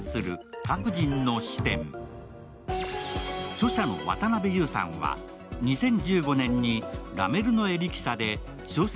著者の渡辺優さんは２０１５年に「ラメルノエリキサ」で小説